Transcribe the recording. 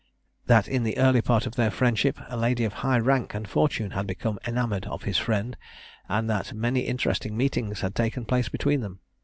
That in the early part of their friendship, a lady of high rank and fortune had become enamoured of his friend, and that many interesting meetings had taken place between them.